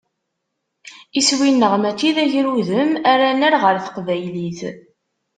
Iswi-nneɣ mačči d agrudem ara nerr ɣer teqbaylit.